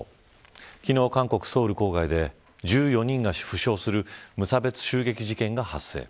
昨日、韓国・ソウル郊外で１４人が負傷する無差別襲撃事件が発生。